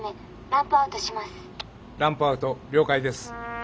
ランプアウト了解です。